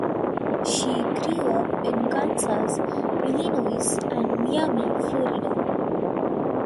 She grew up in Kansas, Illinois and Miami, Florida.